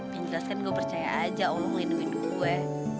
yang jelas kan gue percaya aja allah ngelindungi gue